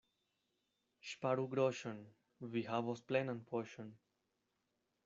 Ŝparu groŝon — vi havos plenan poŝon.